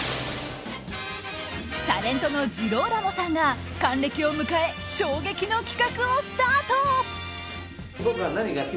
タレントのジローラモさんが還暦を迎え衝撃の企画をスタート。